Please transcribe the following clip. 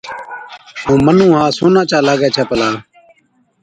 ائُون مُنُون ها سونا چا لاگَي ڇي پلا۔